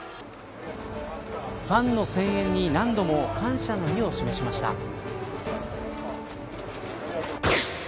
ファンの声援に何度も感謝の意を示しました。